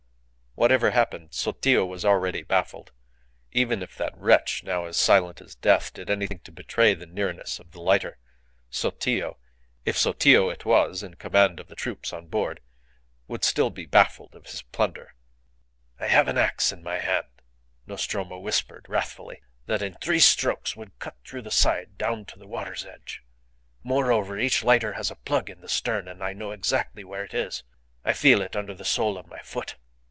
Whatever happened, Sotillo was already baffled. Even if that wretch, now as silent as death, did anything to betray the nearness of the lighter, Sotillo if Sotillo it was in command of the troops on board would be still baffled of his plunder. "I have an axe in my hand," Nostromo whispered, wrathfully, "that in three strokes would cut through the side down to the water's edge. Moreover, each lighter has a plug in the stern, and I know exactly where it is. I feel it under the sole of my foot."